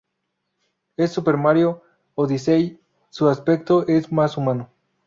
En Super Mario Odyssey su aspecto es más humano.